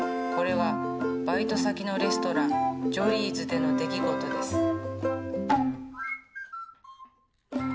これはバイト先のレストランジョリーズでの出来事です。